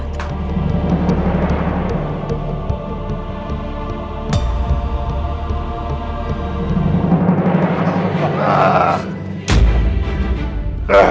maafkan saya saya tidak berhasil